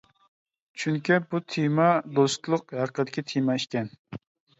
چۈنكى بۇ تېما دوستلۇق ھەققىدىكى تېما ئىكەن.